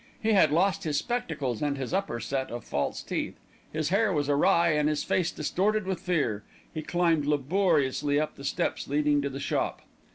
He had lost his spectacles and his upper set of false teeth. His hair was awry and his face distorted with fear. He climbed laboriously up the steps leading to the shop.